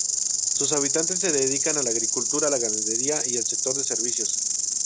Sus habitantes se dedican a la agricultura, la ganadería y el sector servicios.